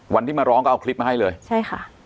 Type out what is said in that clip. วันที่มาร้องก็เอาคลิปมาให้เลยใช่ค่ะ